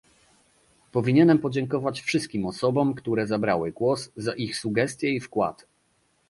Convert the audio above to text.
Powinienem podziękować wszystkim osobom, które zabrały głos, za ich sugestie i wkład